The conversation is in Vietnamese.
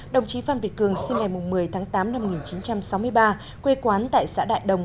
đồng chí phan việt cường sinh ngày một mươi tháng tám năm một nghìn chín trăm sáu mươi ba quê quán tại xã đại đồng